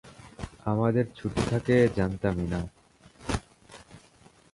আমাদের ছুটি থাকে জানতামই না।